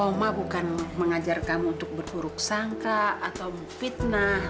oma bukan mengajar kamu untuk berpuruk sangka atau fitnah